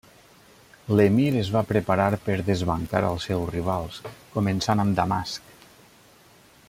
L'emir es va preparar per desbancar als seus rivals, començant amb Damasc.